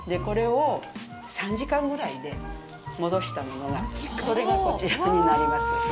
これを３時間ぐらいで戻したものがそれが、こちらになります。